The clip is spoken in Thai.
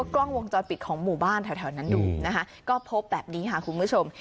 กล้องวงจรปิดของหมู่บ้านแถวนั้นดูนะคะก็พบแบบนี้ค่ะคุณผู้ชม